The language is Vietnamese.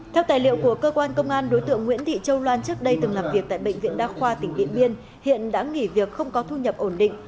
theo tài liệu của cơ quan công an đối tượng nguyễn thị châu loan trước đây từng làm việc tại bệnh viện đa khoa tỉnh điện biên hiện đã nghỉ việc không có thu nhập ổn định